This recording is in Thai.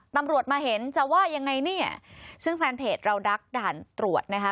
ตำรวจมาเห็นจะว่ายังไงเนี่ยซึ่งแฟนเพจเราดักด่านตรวจนะคะ